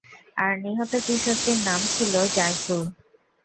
আর নিহত কিশোরটির নাম ছিল জায়সূর।